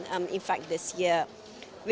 dan tahun ini kami sudah selesai